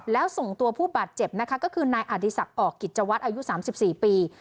แล้วส่งตัวผู้บาดเจ็บนะคะก็คือนายอดีศักดิ์ออกกิจวัตรอายุ๓๔ปี